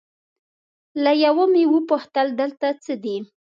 له یوه مې وپوښتل دلته څه دي؟